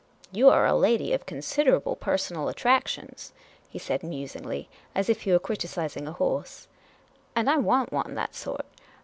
" You 're a lady of con siderable personal attractions," he said, musingly, as if he were criticising a horse ;'' and I want one that sort.